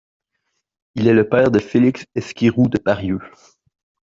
Il est le père de Félix Esquirou de Parieu.